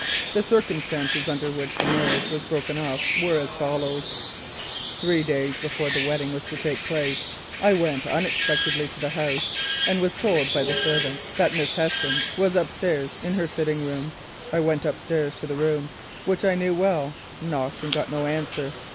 The circumstances under which the marriage was broken off were as follow:—Three days before the wedding was to take place I went unexpectedly to the house, and was told by the servant that Miss Heston was upstairs in her sitting room. I went upstairs to the room, which I knew well, knocked and got no answer.